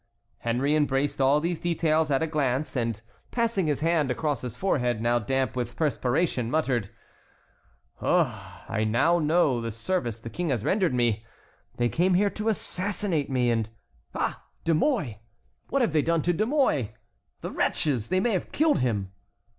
Henry embraced all these details at a glance, and passing his hand across his forehead, now damp with perspiration, murmured: "Ah, I know now the service the King has rendered me. They came here to assassinate me—and—ah! De Mouy! what have they done to De Mouy? The wretches! They may have killed him!"